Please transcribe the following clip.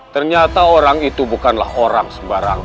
ternyata orang itu bukanlah orang sembarang